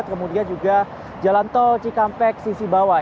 kemudian juga jalan tol cikampek sisi bawah